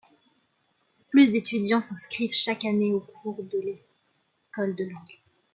Plus de étudiants s’inscrivent chaque année aux cours de l’école de langues.